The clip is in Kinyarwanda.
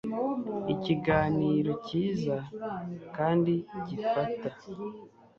Ikiganiro cyiza kandi gifata